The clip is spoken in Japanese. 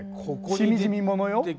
しみじみものよ。